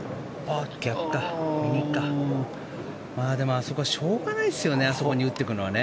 あそこはしょうがないですねあそこに打ってくるのは。